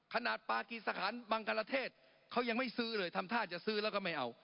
ปากีสถานบังกรเทศเขายังไม่ซื้อเลยทำท่าจะซื้อแล้วก็ไม่เอา